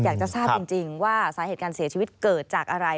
อยากจะทราบจริงว่าสาเหตุการเสียชีวิตเกิดจากอะไร